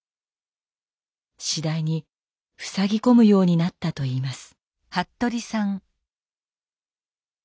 次第にふさぎ込むようになったといいます。